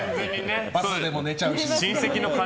バスでも寝ちゃうし。